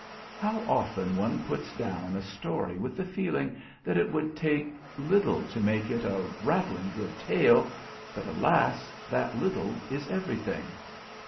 How often one puts down a story with the feeling that it would take little to make it a "rattling good tale," but alas, that little is everything.